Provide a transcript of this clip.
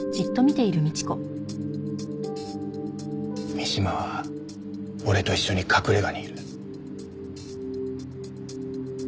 三島は俺と一緒に隠れ家にいる。